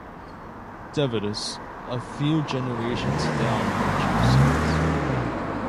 Devidas, a few generations down had two sons.